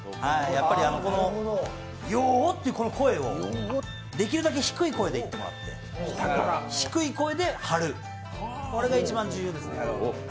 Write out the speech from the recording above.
このよという声をできるだけ低い声で言ってもらって低い声で張る、これが一番重要ですね。